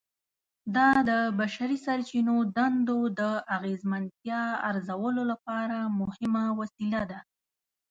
دا د بشري سرچینو دندو د اغیزمنتیا ارزولو لپاره مهمه وسیله ده.